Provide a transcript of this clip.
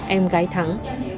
em gái thắng